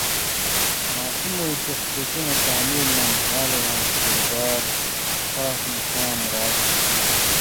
ماسُمہۡ وَیں شخصیتیں تعمیر مہ مھالہ واں کردار خاص مُقام راڇھیۡ تُھو۔